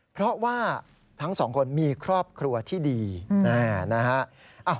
เพราะว่าทั้งสองคนมีครอบครัวที่ดีนะฮะ